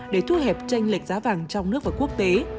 để thu hẹp tranh lệch giá vàng trong nước và quốc tế